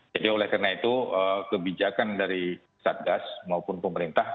jadi oleh karena itu kebijakan dari satgas maupun pemerintah